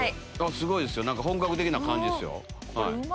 すごいです本格的な感じですよ。